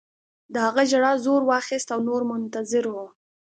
د هغه ژړا زور واخیست او نور منتظر وو